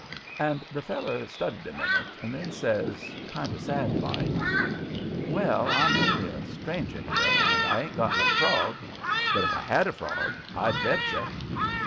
And the feller studied a minute, and then says, kinder sad like, "Well, I'm only a stranger here, and I ain't got no frog; but if I had a frog, I'd bet you."